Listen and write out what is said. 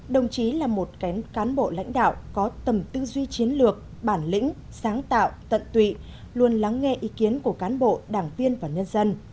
đồng chí là một cán bộ lãnh đạo có tầm tư duy chiến lược bản lĩnh sáng tạo tận tụy luôn lắng nghe ý kiến của cán bộ đảng viên và nhân dân